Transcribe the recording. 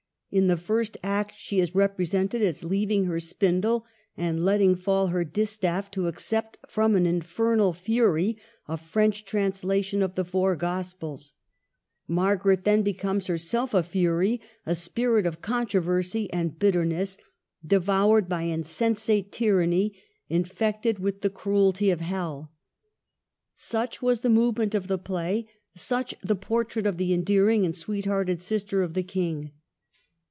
In the first act she is represented as leaving her spindle and letting fall her distaff, to accept from an Infernal Fury a French translation of the four Gospels ; Margaret then becomes her self a Fury, a spirit of controversy and bitter ness, devoured by insensate tyranny, infected with the cruelty of Hell. Such was the move ment of the play; such the portrait of the endearing and sweet hearted sister of the King.